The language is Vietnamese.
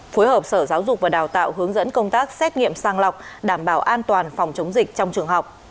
phối hợp sở giáo dục và đào tạo hướng dẫn công tác xét nghiệm sang lọc đảm bảo an toàn phòng chống dịch trong trường học